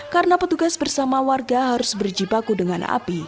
karena petugas bersama warga harus berjibaku dengan api